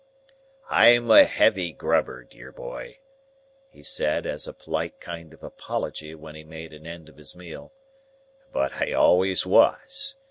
"I'm a heavy grubber, dear boy," he said, as a polite kind of apology when he made an end of his meal, "but I always was.